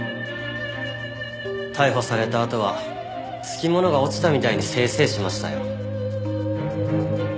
逮捕されたあとはつき物が落ちたみたいにせいせいしましたよ。